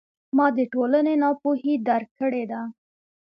ما د ټولنې ناپوهي درک کړې ده.